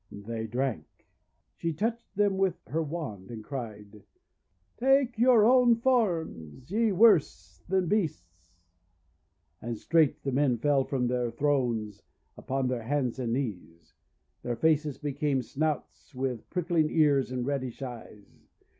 They drank. She touched them with her wand, and cried :— 4 Take your own forms, ye worse than beasts!' And straight the men fell from their thrones upon their hands and knees. Their faces be came snouts with pricking ears and reddish eyes.